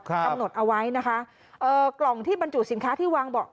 กำหนดเอาไว้นะคะเอ่อกล่องที่บรรจุสินค้าที่วางบอก